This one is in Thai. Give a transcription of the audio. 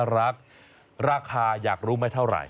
ราคาอยากรู้ไหมเท่าไหร่